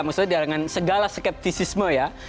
maksudnya dengan segala skeptisisme ya